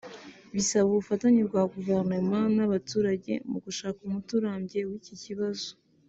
bisaba ubufatanye bwa Guverinoma n’abaturage mu gushaka umuti urambye w’iki kibazo